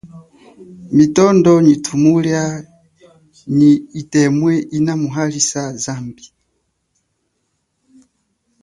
Mitondo, tshumulia, nyi itemwe ina muhalisa zambi.